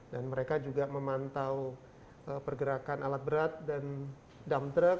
dan mereka juga memantau pergerakan alat berat dan dump truck